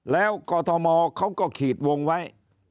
แล้วกรทมเขาก็ขีดวงไว้